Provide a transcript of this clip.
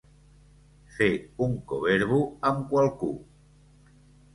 Fer un coverbo amb qualcú.